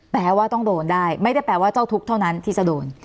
แปลว่าต้องโดนได้ไม่ได้แปลว่าเจ้าทุกข์เท่านั้นที่จะโดน